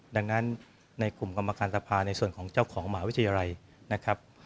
ดังนั้นในกลุ่มกรรมการสภาในส่วนของเจ้าของมหาวิทยาลัยนะครับ